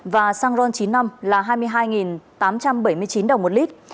và xăng ron chín mươi năm là hai mươi hai tám trăm bảy mươi chín đồng một lít